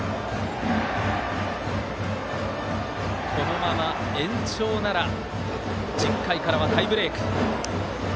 このまま、延長なら１０回からはタイブレーク。